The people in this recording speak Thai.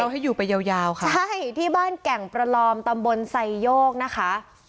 ให้อยู่ไปยาวยาวค่ะใช่ที่บ้านแก่งประลอมตำบลไซโยกนะคะ